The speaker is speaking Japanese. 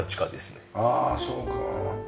ああそうか。